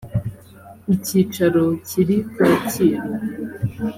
icyicaro kiri kacyiru